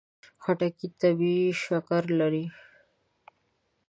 خټکی طبیعي شکر لري.